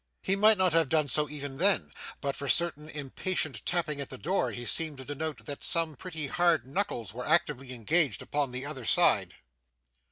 He might not have done so even then, but for certain impatient tapping at the door he seemed to denote that some pretty hard knuckles were actively engaged upon the other side.